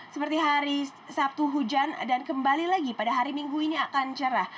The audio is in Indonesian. seperti hari sabtu hujan dan kembali lagi pada hari minggu ini akan cerah